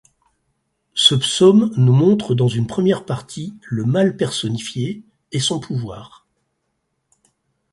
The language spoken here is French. Ce Psaume nous montre dans une première partie le mal personnifié, et son pouvoir.